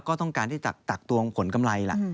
ก็ต้องการที่จะตักตวงผลกำไรล่ะ